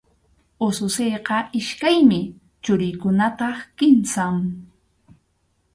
Ususiyqa iskaymi, churiykunataq kimsam.